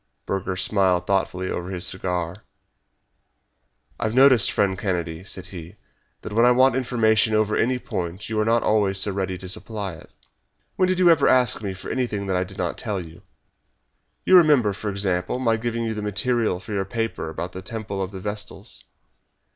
Burger smiled thoughtfully over his cigar. "I have noticed, friend Kennedy," said he, "that when I want information over any point you are not always so ready to supply it." "When did you ever ask me anything that I did not tell you? You remember, for example, my giving you the material for your paper about the temple of the Vestals."